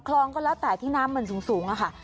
คลองก็แล้วแต่ที่น้ำมันสูงค่ะ